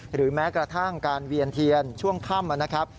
หรือแม้กระทั่งการเวียนเทียนช่วงค่ำนะครับ